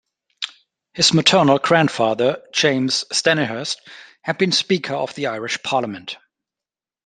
His maternal grandfather, James Stanihurst, had been speaker of the Irish parliament.